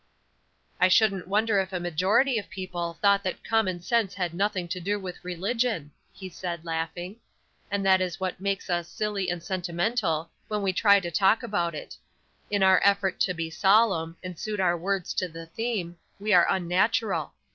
"I shouldn't wonder if a majority of people thought that common sense had nothing to do with religion," he said, laughing; "and that is what makes us silly and sentimental when we try to talk about it. In our effort to be solemn, and suit our words to the theme, we are unnatural.